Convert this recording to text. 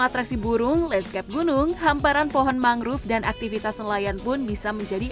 atraksi burung landscape gunung hamparan pohon mangrove dan aktivitas nelayan pun bisa menjadi